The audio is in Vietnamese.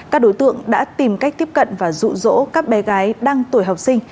các đối tượng đã tìm cách tiếp cận và rụ rỗ các bé gái đang tuổi học sinh